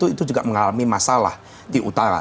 itu juga mengalami masalah di utara